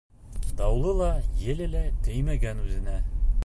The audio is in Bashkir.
Дауылы ла, еле лә теймәгән үҙенә.